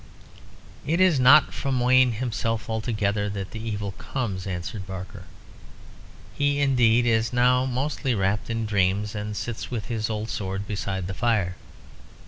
"It is not from Wayne himself altogether that the evil comes," answered Barker. "He, indeed, is now mostly wrapped in dreams, and sits with his old sword beside the fire.